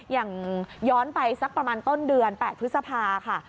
อย่างย้อนไปสักประมาณต้นเดือน๘พฤษภาค่ะ